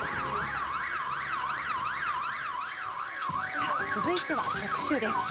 さあ、続いては特集です。